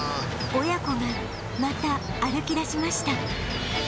親子がまた歩き出しました